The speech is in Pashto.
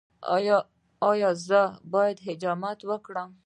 ایا زه باید حجامت وکړم؟